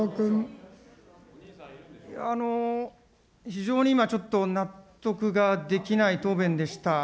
非常に今、ちょっと納得ができない答弁でした。